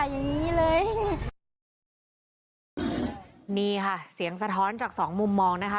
อย่างงี้เลยนี่ค่ะเสียงสะท้อนจากสองมุมมองนะคะ